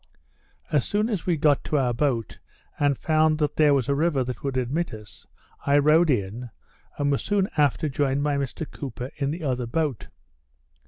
As soon as we got to our boat, and found that there was a river that would admit us, I rowed in, and was soon after joined by Mr Cooper in the other boat.